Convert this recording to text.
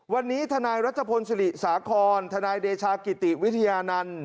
วันนี้ทนายรัชพลศิริสาครทนายเดชากิติวิทยานันต์